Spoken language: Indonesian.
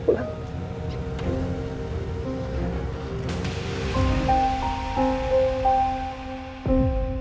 aku pulang dulu ya